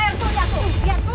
liat tuh liat tuh